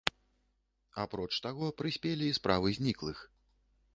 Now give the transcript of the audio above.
Апроч таго, прыспелі і справы зніклых.